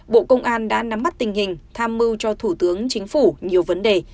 bộ công an đã nắm mắt tình hình tham mưu cho thủ tướng chính phủ nhiều vấn đề